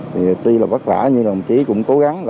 thì tuy là vất vả nhưng đồng chí cũng cố gắng